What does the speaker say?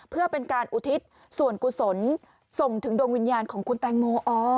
เพื่อเป็นการอุทิศส่วนกุศลส่งถึงดวงวิญญาณของคุณแตงโม